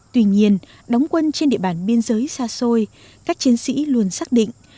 tuy nhiên đóng quân trên địa bàn biên giới xa xôi các chiến sĩ luôn xác định